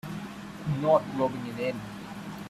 I'm not rubbing it in.